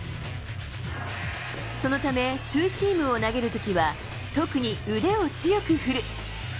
そのため、ツーシームを投げるときは、特に腕を強く振る。